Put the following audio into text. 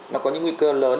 nó có những nguy cơ lớn